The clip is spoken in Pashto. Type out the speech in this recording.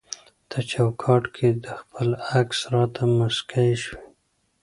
ته چوکاټ کي د خپل عکس راته مسکی وي